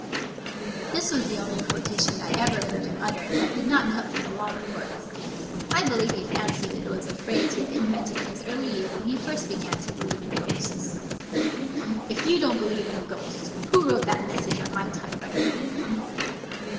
" This was the only quo tation I ever heard him utter that did not come from the Law Reports. I believe he fancied it was a phrase he had invented in his early youth when he first began to believe in ghosts. " If you don't believe in ghosts, who wrote that mes sage on my typewriter?"